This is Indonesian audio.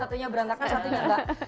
satu nya berantakan satu nya enggak